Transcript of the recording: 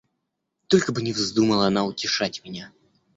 Только бы не вздумала она утешать меня!